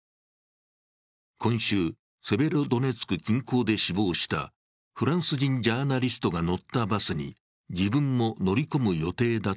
今週、セベロドネツク近郊で死亡したフランス人ジャーナリストが乗ったバスに自分も乗り込む予定だ